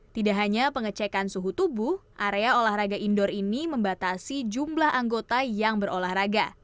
tidak hanya pengecekan suhu tubuh area olahraga indoor ini membatasi jumlah anggota yang berolahraga